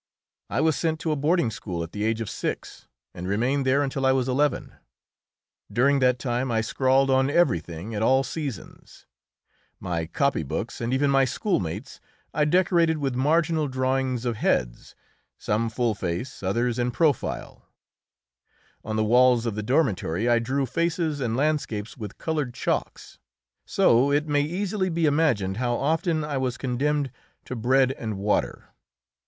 I was sent to a boarding school at the age of six, and remained there until I was eleven. During that time I scrawled on everything at all seasons; my copy books, and even my schoolmates', I decorated with marginal drawings of heads, some full face, others in profile; on the walls of the dormitory I drew faces and landscapes with coloured chalks. So it may easily be imagined how often I was condemned to bread and water.